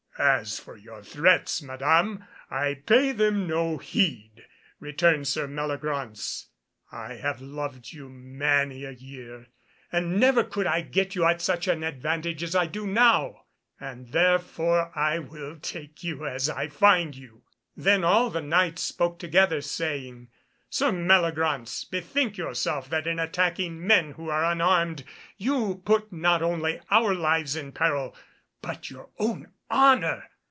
"As for your threats, Madam, I pay them no heed," returned Sir Meliagraunce; "I have loved you many a year, and never could I get you at such an advantage as I do now, and therefore I will take you as I find you." Then all the Knights spoke together saying, "Sir Meliagraunce, bethink yourself that in attacking men who are unarmed you put not only our lives in peril but your own honour.